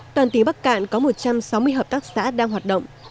toàn tỉnh bắc cạn có một trăm sáu mươi hợp tác xã đang hoạt động